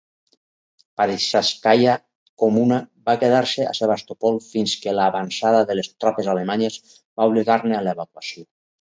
"Parizhskaya Kommuna" va quedar-se a Sebastopol fins que la l'avanç de les tropes alemanyes va obligar-ne a l'evacuació.